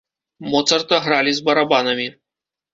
Моцарта гралі з барабанамі.